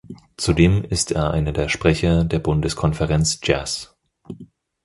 Zudem ist er einer der Sprecher der Bundeskonferenz Jazz.